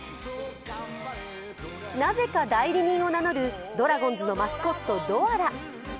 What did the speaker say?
なぜか代理人を名乗るドラゴンズのマスコット、ドアラ。